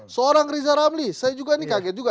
seorang riza ramli saya juga ini kaget juga